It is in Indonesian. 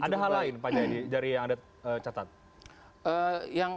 ada hal lain pak jaya dari yang ada catat